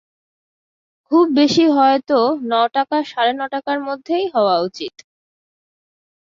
খুব বেশি হয় তো ন-টাকা সাড়ে ন-টাকার মধ্যেই হওয়া উচিত।